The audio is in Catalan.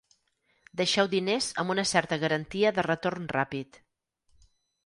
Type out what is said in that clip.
Deixeu diners amb una certa garantia de retorn ràpid.